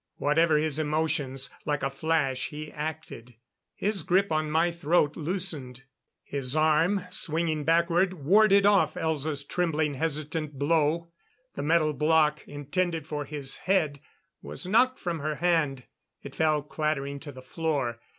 Whatever his emotions, like a flash he acted. His grip on my throat loosened. His arm, swinging backward, warded off Elza's trembling, hesitant blow. The metal block, intended for his head, was knocked from her hand; it fell clattering to the floor.